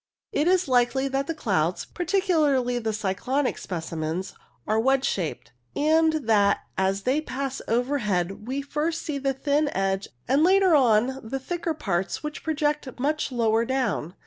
It is likely that the clouds, particularly the cyclonic specimens, are wedge shaped, and that as they pass overhead we see first the thin edge, and later on the thicker parts, which project much lower down.